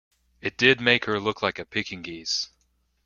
It did make her look like a Pekingese.